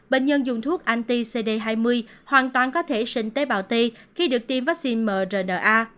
bệnh nhân dùng thuốc ant cd hai mươi hoàn toàn có thể sinh tế bào t khi được tiêm vaccine mrna